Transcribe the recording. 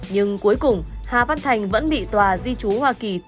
nhưng cuối cùng hà văn thành vẫn bị tòa di chú hoa kỳ đánh giá